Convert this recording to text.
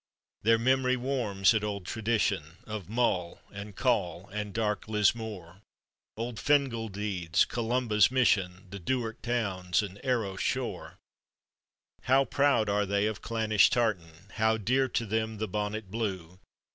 Their memory warm* at old tradition Of Mull, and Coll, and dark Lismore, Old Fin gal deeds, Columba's mission, The Dimrd towns, and Arcs shore. How proud are they of clannish tartan ! How dear to them the bonnet blue!